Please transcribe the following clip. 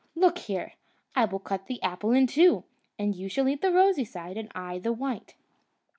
"Look here; I will cut the apple in two, and you shall eat the rosy side, and I the white."